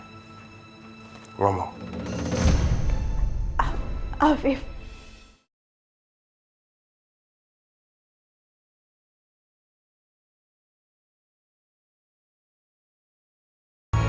ingat istri harus menuruti suaminya